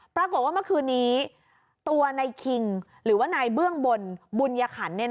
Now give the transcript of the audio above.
ปรากฏว่าเมื่อคืนนี้ตัวนายคิงหรือว่านายเบื้องบนบุญยขัน